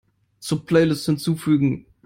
Zur Playlist hinzufügen.